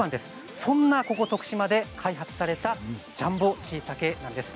そんなここ徳島で開発されたジャンボしいたけなんです。